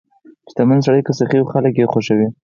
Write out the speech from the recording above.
• شتمن سړی که سخي وي، خلک یې خوښوي.